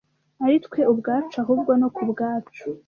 ari twe ubwacu, ahubwo no kubwacu